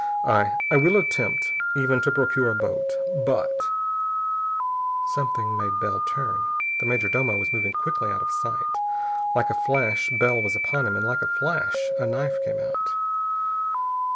I I will attempt, even to procure a boat. But " Something made Bell turn. The major domo was moving quickly out of sight. Like a flash Bell was upon him, and like a flash a knife came out.